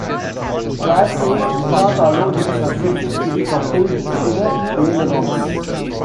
Class rules did not allow these surfaces to be coupled to the ailerons.